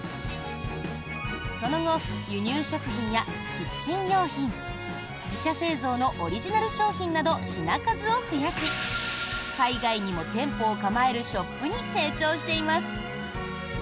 その後、輸入食品やキッチン用品自社製造のオリジナル商品など品数を増やし海外にも店舗を構えるショップに成長しています。